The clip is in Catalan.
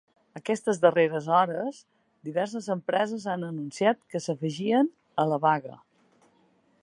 Aquestes darreres hores, diverses empreses han anunciat que s’afegien a la vaga.